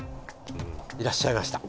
いらっしゃいました